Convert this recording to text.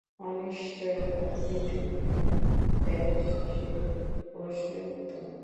অনিশ্চিয়তা–নীতি বলে দেয় সে প্রশ্নের উত্তর।